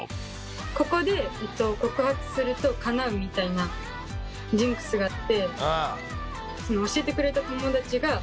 ここで告白するとかなうみたいなジンクスがあって。